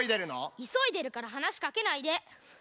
いそいでるからはなしかけないで！